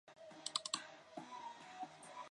孝惠章皇后出身科尔沁部左翼扎萨克家族。